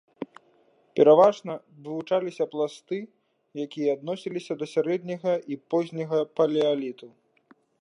Пераважна вывучаліся пласты, якія адносіліся да сярэдняга і позняга палеаліту.